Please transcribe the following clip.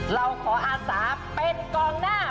เราขออาศาเป็นกองหน้า